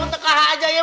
tengah aja ya